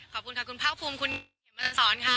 ขอบคุณค่ะคุณพร้อมคุณเหมือนสอนค่ะ